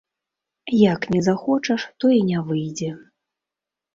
Як не захочаш, то і не выйдзе.